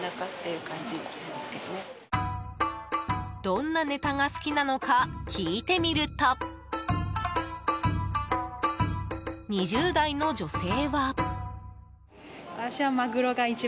どんなネタが好きなのか聞いてみると２０代の女性は。